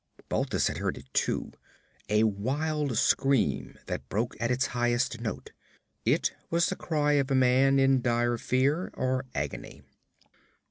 Balthus had heard it too a wild scream that broke at its highest note. It was the cry of a man in dire fear or agony.